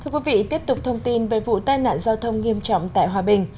quý vị tiếp tục thông tin về vụ tai nạn giao thông nghiêm trọng tại hòa bình